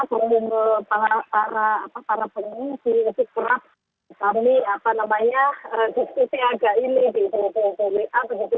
saya mengunggah para pengungsi supra kami apa namanya diskusi agak ini di wpa